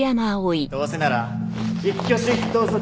どうせなら一挙手一投足